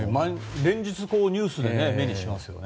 連日、ニュースで目にしますよね。